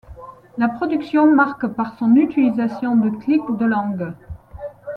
La production marque par son utilisation de clics de langue.